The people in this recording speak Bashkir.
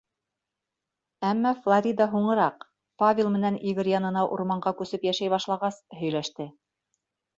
Әммә Флорида һуңыраҡ, Павел менән Игорь янына урманға күсеп йәшәй башлағас, һөйләште.